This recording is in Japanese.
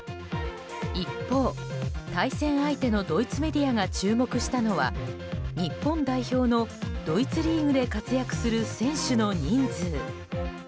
一方対戦相手のドイツメディアが注目したのは、日本代表のドイツリーグで活躍する選手の人数。